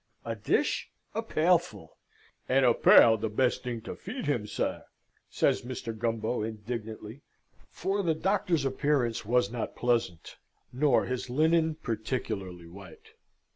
A dish? a pailful! "And a pail the best thing to feed him, sar!" says Mr. Gumbo, indignantly: for the Doctor's appearance was not pleasant, nor his linen particularly white.